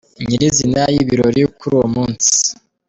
nyir’izina y’ibirori Kuri uwo munsi.